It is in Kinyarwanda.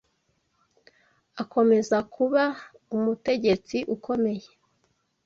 akomeza kuba umutegetsi ukomeye